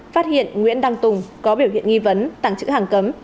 phát hiện nguyễn đăng tùng có biểu hiện nghi vấn tàng chữ hàng cấm